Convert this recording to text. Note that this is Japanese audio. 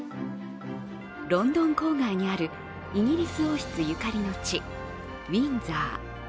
ロンドン郊外にあるイギリス王室ゆかりの地、ウィンザー。